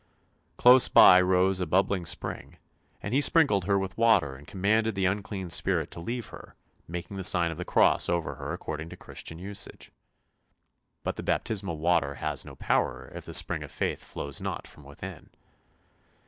Close by rose a bubbling spring, and he sprinkled her with water and commanded the unclean spirit to leave her, making the sign of the cross over her according to Christian usage. But the baptismal water has no power if the spring of faith flows not from within.